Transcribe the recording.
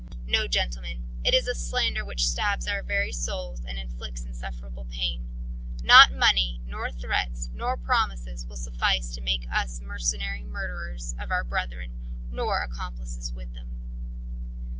No, gentlemen, it is a slander which stabs our very soul, and inflicts insufferable pain. Not money, nor threats, nor promises will suffice to make us mercenary murderers of our brethren, nor accomplices with them."